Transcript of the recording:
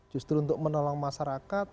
justru untuk menolong masyarakat